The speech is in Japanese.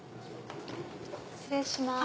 失礼します。